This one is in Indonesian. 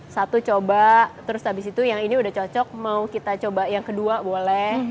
satu coba terus habis itu yang ini udah cocok mau kita coba yang kedua boleh